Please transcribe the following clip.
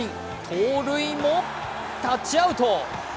盗塁もタッチアウト！